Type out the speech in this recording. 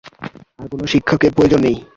আর কোন শিক্ষকের প্রয়োজন নেই।